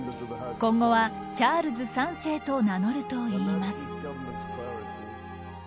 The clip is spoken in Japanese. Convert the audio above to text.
今後は、チャールズ３世と名乗るといいます。